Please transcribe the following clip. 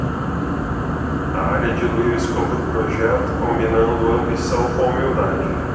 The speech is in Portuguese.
A área dilui o escopo do projeto, combinando ambição com humildade.